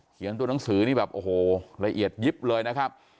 ตัวหนังสือนี่แบบโอ้โหละเอียดยิบเลยนะครับ